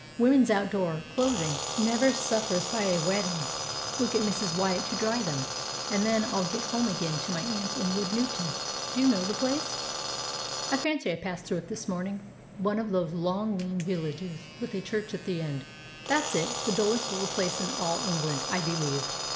"Women's outdoor clothing never suffers by a wetting. We'll get Mrs. Wyatt to dry them, and then I'll get home again to my aunt in Woodnewton. Do you know the place?" "I fancy I passed through it this morning. One of those long, lean villages, with a church at the end." "That's it the dullest little place in all England, I believe."